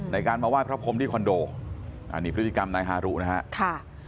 ในการมาไหว้พระพรมที่คอนโดอันนี้พฤติกรรมนายฮารุนะฮะค่ะ